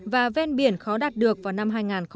và ven biển khó đạt được vào năm hai nghìn hai mươi